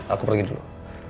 aku pergi dulu